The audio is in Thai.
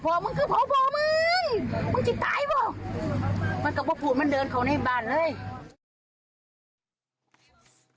พอมึงคือมึงจิตตายป่ะมันกับพวกผู้มันเดินเข้าในบ้านเลย